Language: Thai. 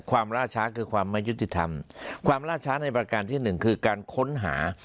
ล่าช้าคือความไม่ยุติธรรมความล่าช้าในประการที่หนึ่งคือการค้นหา